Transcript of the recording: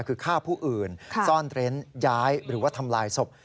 คือฆ่าผู้อื่นซ่อนเร้นย้ายหรือว่าทำลายศพ